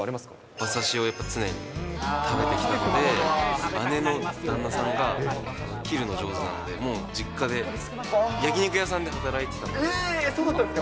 馬刺しをやっぱり常に食べてきたので、姉の旦那さんが切るの上手なんで、もう実家で焼肉屋さんで働いてたええっ、そうだったんですか。